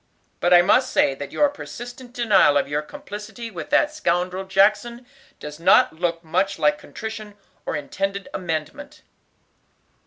But I must say that your persistent denial of your complicity with that scoundrel Jackson does not look much like contrition, or intended amendment."